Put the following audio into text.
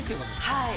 はい。